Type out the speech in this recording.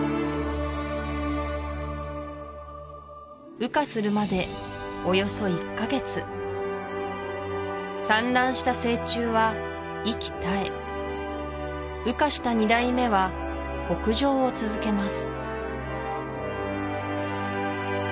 羽化するまでおよそ１カ月産卵した成虫は息絶え羽化した２代目は北上を続けます